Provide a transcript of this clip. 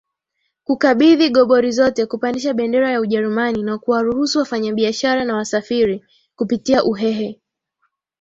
kukabidhi gobori zote kupandisha bendera ya Ujerumani na kuwaruhusu wafanyabiashara na wasafiri kupitia Uhehe